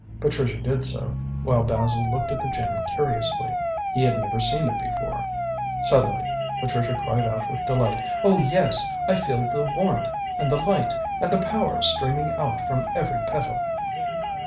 Patricia did so, while Basil looked at the gem curiously. He had never seen it before. Suddenly Patricia cried out with delight. "Oh, yes, I feel the warmth and the light, and the power streaming out from every petal."